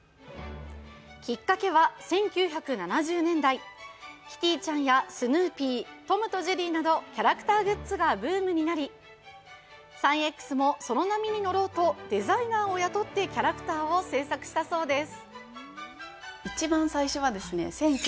きっかけは１９７０年代、キティちゃんやスヌーピー、「トムとジェリー」などキャラクターグッズがブームとなり、サンエックスもその波に乗ろうとデザイナーを雇ってキャラクターを制作したそうです。